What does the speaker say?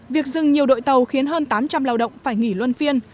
việc dừng nhiều đội tàu khiến hơn tám trăm linh lao động phải nghỉ luân phiên